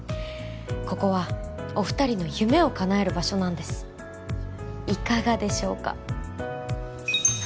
ここはお二人の夢をかなえる場所なんですいかがでしょうか？